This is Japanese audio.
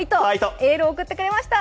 エールを送ってくれました。